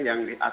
yang di ak